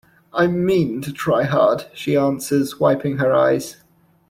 "I mean to try hard," she answers, wiping her eyes.